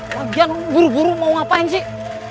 lagian lu buru buru mau ngapain sih